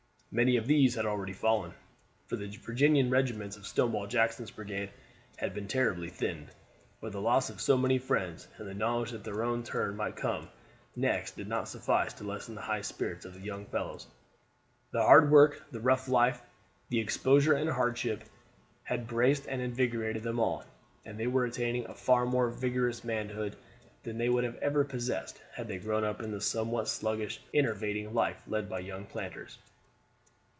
Many of these had already fallen, for the Virginian regiments of Stonewall Jackson's brigade had been terribly thinned; but the loss of so many friends and the knowledge that their own turn might come next did not suffice to lessen the high spirits of the young fellows. The hard work, the rough life, the exposure and hardship, had braced and invigorated them all, and they were attaining a far more vigorous manhood than they would ever have possessed had they grown up in the somewhat sluggish and enervating life led by young planters.